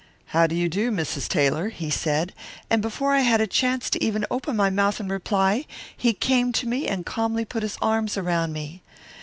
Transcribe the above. "How do you do, Mrs. Taylor?' he said, and before I had a chance even to open my mouth and reply, he came to me and calmly put his arms around me.